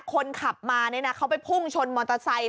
คนขับมาเขาไปพุ่งชนมอเตอร์ไซค์